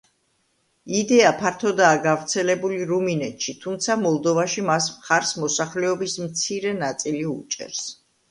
იდეა ფართოდაა გავრცელებული რუმინეთში, თუმცა მოლდოვაში მას მხარს მოსახლეობის მცირე ნაწილი უჭერს.